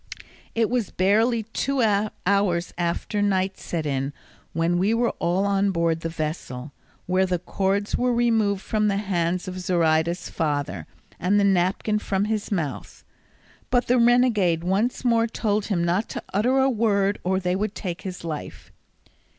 It was barely two hours after night set in when we were all on board the vessel, where the cords were removed from the hands of Zoraida's father, and the napkin from his mouth; but the renegade once more told him not to utter a word, or they would take his life.